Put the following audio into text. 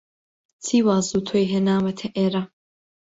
چی وا زوو تۆی هێناوەتە ئێرە؟